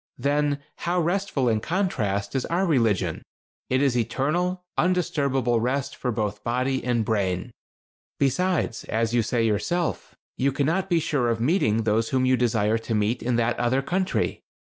Then, how restful, in contrast, is our religion. It is eternal, undisturbable rest for both body and brain. Besides, as you say yourself, you cannot be sure of meeting those whom you desire to meet in that other country.